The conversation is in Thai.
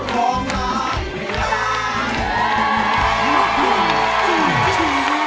ไป